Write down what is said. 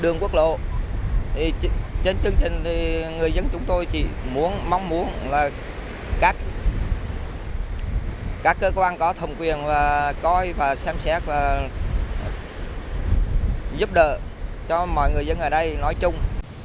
người dân chúng tôi chỉ mong muốn các cơ quan có thông quyền coi và xem xét và giúp đỡ cho mọi người dân ở đây nói chung